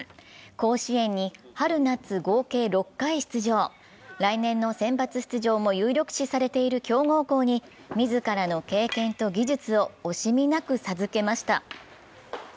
甲子園に春夏合計６回出場、来年のセンバツ出場も有力視されている強豪校に自らの経験と技術を惜しみなく授けました。